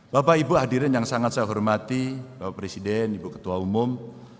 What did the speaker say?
bapak ibu hadirin yang sangat saya hormati bapak presiden ibu ketua umum